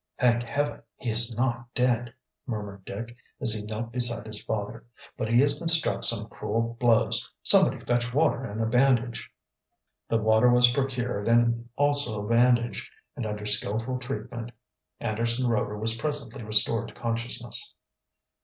"Thank heaven, he is not dead!" murmured Dick, as he knelt beside his father. "But he has been struck some cruel blows. Somebody fetch water and a bandage." The water was procured, and also a bandage, and under skillful treatment, Anderson Rover was presently restored to consciousness.